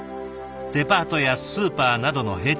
デパートやスーパーなどの閉店。